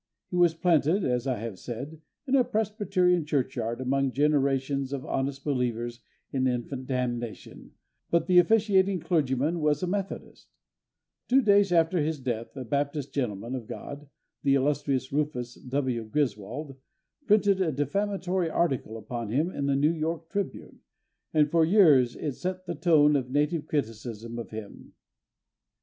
He was planted, as I have said, in a Presbyterian churchyard, among generations of honest believers in infant damnation, but the officiating clergyman was a Methodist. Two days after his death a Baptist gentleman of God, the illustrious Rufus W. Griswold, printed a defamatory article upon him in the New York Tribune, and for years it set the tone of native criticism of him.